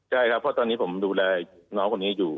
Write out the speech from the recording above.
ใช่ครับเพราะตอนนี้ผมดูแลน้องคนนี้อยู่